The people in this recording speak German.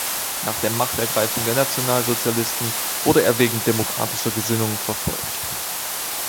Nach der Machtergreifung der Nationalsozialisten wurde er wegen „demokratischer Gesinnung“ verfolgt.